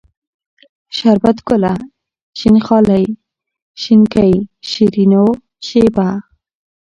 شربت گله ، شين خالۍ ، شينکۍ ، شيرينو ، شېبه